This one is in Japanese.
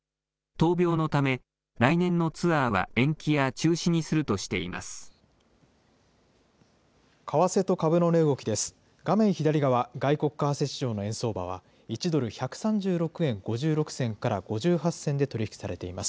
闘病のため、来年のツアーは延期や中止にするとしています。